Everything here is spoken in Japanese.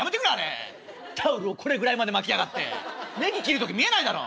タオルをこれぐらいまで巻きやがってネギ切る時見えないだろ。